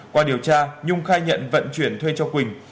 qua điều tra nhung khai nhận vận chuyển thuê cho quỳnh